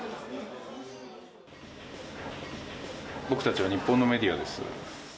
僕たちは日本のメディアです。